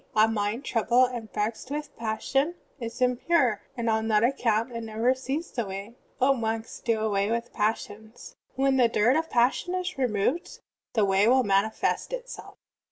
A mind troulDled and vexed with the passions is impiire, and on that account it never sees the Way. O monks, do away with passions. When the dirt of passion is removed the Way will manifest itself."